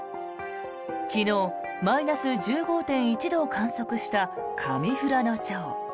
昨日、マイナス１５．１度を観測した上富良野町。